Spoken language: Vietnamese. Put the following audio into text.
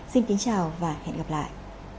xin kính chào và hẹn gặp lại